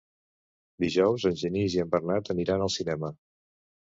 Dijous en Genís i en Bernat aniran al cinema.